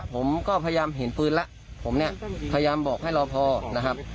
ผมก็พยายามเห็นปืนแล้วผมเนี่ยพยายามบอกให้รอพอนะครับ